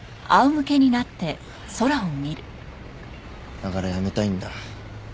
だから辞めたいんだ。